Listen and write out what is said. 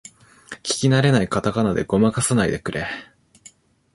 聞きなれないカタカナでごまかさないでくれ